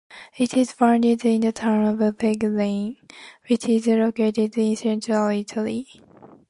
It was founded in the town of Perugia, which is located in central Italy.